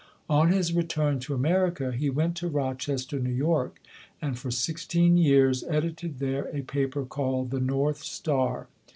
On his return to America, he went to Rochester, New York, and for sixteen years edited there a paper called The North Star.